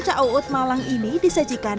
ca'uut malang ini disajikan